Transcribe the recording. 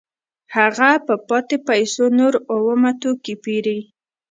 هغه په پاتې پیسو نور اومه توکي پېري